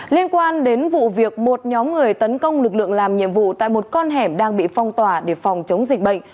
liên quan đến vụ việc một nhóm người tấn công lực lượng làm nhiệm vụ tại một con hẻm đang bị phong tỏa để phòng chống dịch bệnh